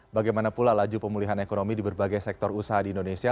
bagaimana pula laju pemulihan ekonomi di berbagai sektor usaha di indonesia